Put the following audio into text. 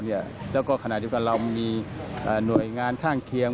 แล้วก็ขณะเดียวกันเรามีหน่วยงานข้างเคียง